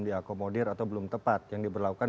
diakomodir atau belum tepat yang diberlakukan